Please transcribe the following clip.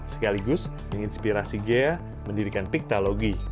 sekaligus menginspirasi ghea mendirikan piktologi